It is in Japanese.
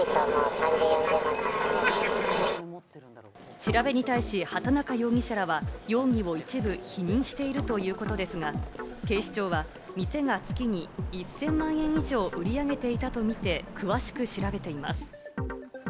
調べに対し、畑中容疑者らは容疑を一部否認しているということですが、警視庁は店が月に１０００万円以上売り上げていたとみて詳しく調べています。